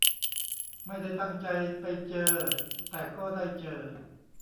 ไม่ได้ตั้งใจไปเจอ แต่ก็ได้เจอ